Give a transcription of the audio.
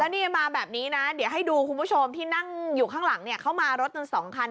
นี่มาแบบนี้นะเดี๋ยวให้ดูคุณผู้ชมที่นั่งอยู่ข้างหลังเข้ามารถทั้งสองคัน